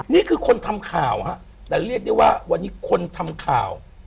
นี่คือคนทำข่าวฮะแต่เรียกได้ว่าวันนี้คนทำข่าว